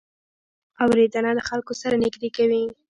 اورېدنه له خلکو سره نږدې کوي.